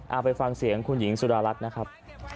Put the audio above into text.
เอาไปฟังเสียงคุณหญิงสุดารัฐนะครับ